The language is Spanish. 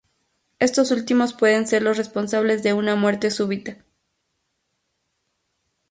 Estos últimos pueden ser los responsables de una muerte súbita.